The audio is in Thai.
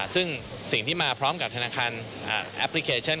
ซึ่งสิ่งที่มาพร้อมกับธนาคารแอปพลิเคชัน